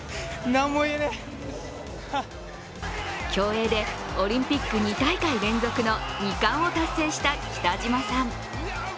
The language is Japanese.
競泳でオリンピック２大会連続の２冠を達成した北島さん。